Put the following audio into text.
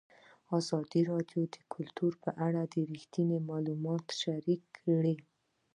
ازادي راډیو د کلتور په اړه رښتیني معلومات شریک کړي.